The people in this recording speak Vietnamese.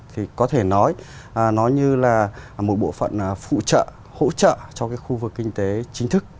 thì có thể nói nó như là một bộ phận phụ trợ hỗ trợ cho cái khu vực kinh tế chính thức